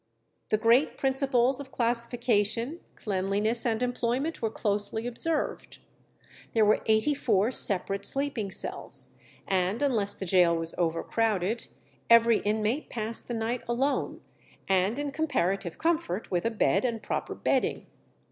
The great principles of classification, cleanliness, and employment were closely observed. There were eighty four separate sleeping cells, and unless the gaol was overcrowded, every inmate passed the night alone, and in comparative comfort, with a bed and proper bedding.